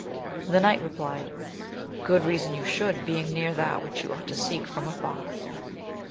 The knight replied. Good reason you should, being near that which you ought to seek from afar.